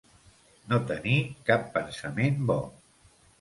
No tenir cap pensament bo.